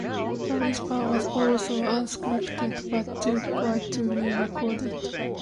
The whisper was also unscripted, but too quiet to be recorded.